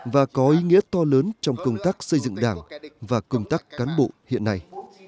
và có ý nghĩa to lớn trong công tác xây dựng đảng và công tác cán bộ hiện nay